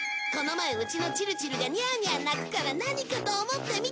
この前うちのチルチルがニャーニャー鳴くから何かと思って